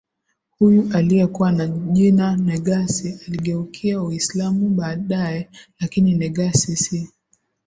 huyu aliyekuwa na jina Negasi aligeukia Uislamu baadaye Lakini Negasi si